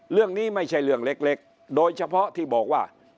เรื่องนี้ไม่ใช่เรื่องเล็กโดยเฉพาะที่บอกว่า